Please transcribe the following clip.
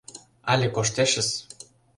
Але коштешыс!